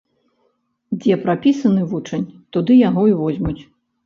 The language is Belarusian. Дзе прапісаны вучань, туды яго і возьмуць.